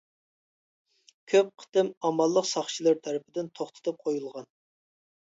كۆپ قېتىم ئامانلىق ساقچىلىرى تەرىپىدىن توختىتىپ قويۇلغان.